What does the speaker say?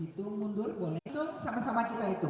kami hitung mundur boleh hitung sama sama kita itu